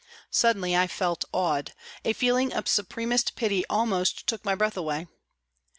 Suddenly I felt awed, a feeling of supremest pity almost took my breath away.